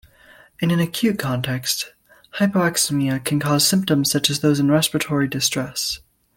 In an acute context, hypoxemia can cause symptoms such as those in respiratory distress.